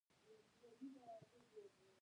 دغه مورخ یوه بله خبره هم لیکلې ده.